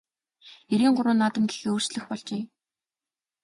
Эрийн гурван наадам гэхээ өөрчлөх болжээ.